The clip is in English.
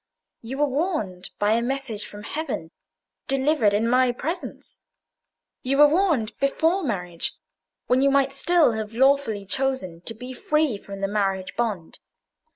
You were warned by a message from heaven, delivered in my presence—you were warned before marriage, when you might still have lawfully chosen to be free from the marriage bond.